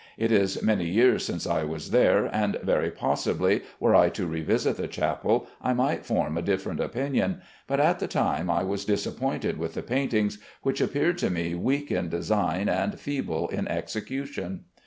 It is many years since I was there, and very possibly, were I to revisit the chapel, I might form a different opinion, but at the time I was disappointed with the paintings, which appeared to me weak in design and feeble in execution.